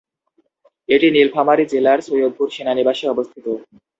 এটি নীলফামারী জেলার সৈয়দপুর সেনানিবাসে অবস্থিত।